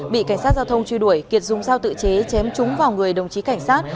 bị cảnh sát giao thông truy đuổi kiệt dùng sao tự chế chém trúng vào người đồng chí cảnh sát